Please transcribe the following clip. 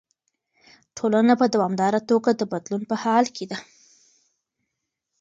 ټولنه په دوامداره توګه د بدلون په حال کې ده.